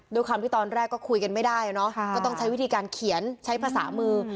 ด้วยความที่ตอนแรกก็คุยกันไม่ได้เนอะก็ต้องใช้วิธีการเขียนใช้ภาษามือ